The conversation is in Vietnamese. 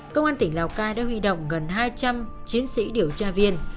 công an tỉnh lào cai đã huy động gần hai trăm linh chiến sĩ điều tra viên